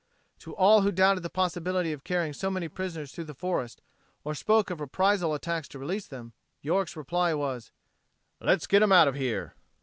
To all who doubted the possibility of carrying so many prisoners through the forest, or spoke of reprisal attacks to release them, York's reply was: "Let's get 'em out of here!"